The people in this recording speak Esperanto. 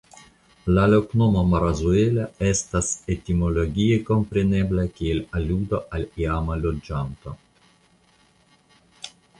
La loknomo "Marazuela" estas etimologie komprenebla kiel aludo al iama loĝanto.